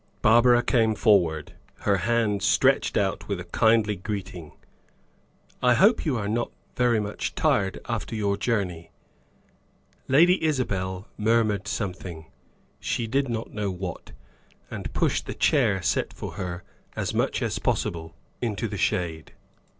Barbara came forward, her hand stretched out with a kindly greeting. "I hope you are not very much tired after your journey?" Lady Isabel murmured something she did not know what and pushed the chair set for her as much as possible into the shade.